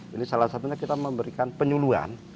ini salah satunya kita memberikan penyuluan